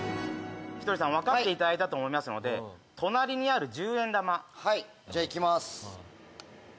ひとりさん分かっていただいたと思いますので隣にある１０円玉はいじゃあいきます